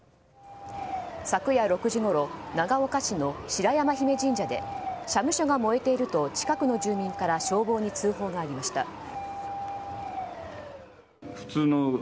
昨夜６時ごろ長岡市の白山媛神社で社務所が燃えていると近くの住民から消防に通報がありました。